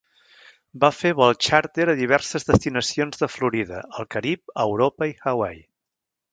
Va fer vols xàrter a diverses destinacions de Florida, el Carib, Europa i Hawaii.